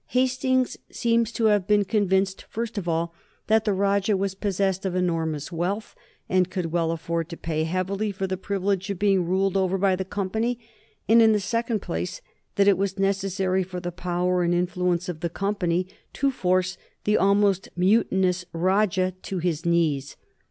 Hastings seems to have been convinced, first of all, that the Rajah was possessed of enormous wealth, and could well afford to pay heavily for the privilege of being ruled over by the Company, and in the second place that it was necessary for the power and influence of the Company to force the almost mutinous Rajah to his knees.